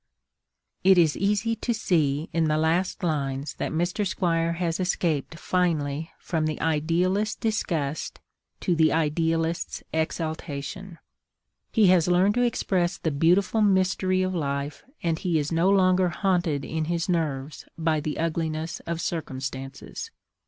It is easy to see in the last lines that Mr. Squire has escaped finally from the idealist's disgust to the idealist's exaltation. He has learned to express the beautiful mystery of life and he is no longer haunted in his nerves by the ugliness of circumstances.